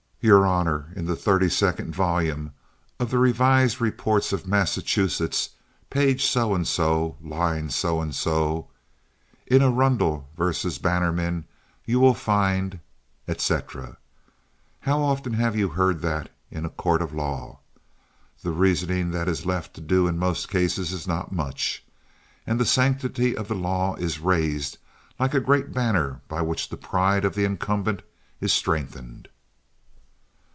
"Your honor, in the thirty second volume of the Revised Reports of Massachusetts, page so and so, line so and so, in Arundel versus Bannerman, you will find, etc." How often have you heard that in a court of law? The reasoning that is left to do in most cases is not much. And the sanctity of the law is raised like a great banner by which the pride of the incumbent is strengthened.